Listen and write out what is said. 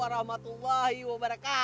waalaikumsalam warahmatullahi wabarakatuh